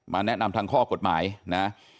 แนะนำทางข้อกฎหมายนะ